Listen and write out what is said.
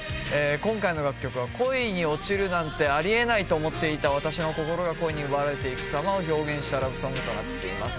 今回の楽曲は恋に落ちるなんてありえないと思っていた「わたし」の心が恋に奪われていくさまを表現したラブソングとなっています